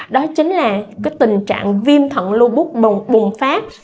đó chính là tình trạng viêm thận lưu bút bùng phát